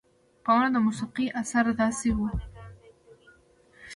پۀ ونو د موسيقۍ اثر داسې وو